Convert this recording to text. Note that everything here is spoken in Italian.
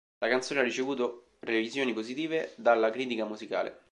La canzone ha ricevuto revisioni positive dalla critica musicale.